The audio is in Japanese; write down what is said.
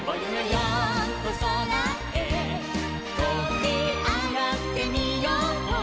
よんとそらへとびあがってみよう」